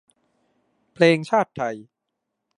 เพลงชาติไทย